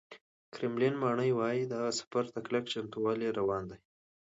کرملین ماڼۍ وایي، دغه سفر ته کلک چمتووالی روان دی